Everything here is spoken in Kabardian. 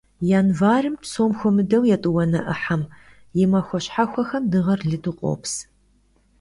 Январым, псом хуэмыдэу етӀуанэ Ӏыхьэм, и махуэ щхьэхуэхэм дыгъэр лыду къопс.